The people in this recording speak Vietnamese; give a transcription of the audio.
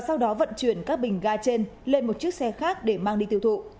sau đó vận chuyển các bình ga trên lên một chiếc xe khác để mang đi tiêu thụ